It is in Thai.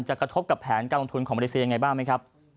กระทบกับแผนการลงทุนของมาเลเซียยังไงบ้างไหมครับ